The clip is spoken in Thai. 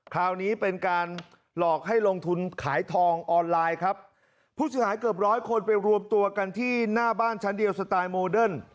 คราวนี้เป็นการหลอกให้ลงทุนขายทองออนไลน์ครับผู้เสียหายเกือบร้อยคนไปรวมตัวกันที่หน้าบ้านชั้นเดียวสไตล์โมเดิร์น